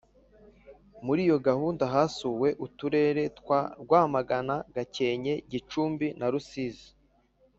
Muri iyo gahunda hasuwe Uturere twa Rwamagana, Gakenke, Gicumbi na Rusizi